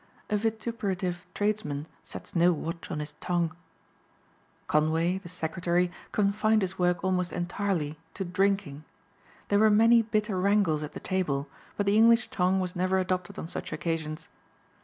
A vituperative tradesman sets no watch on his tongue. Conway, the secretary, confined his work almost entirely to drinking. There were many bitter wrangles at the table but the English tongue was never adopted on such occasions.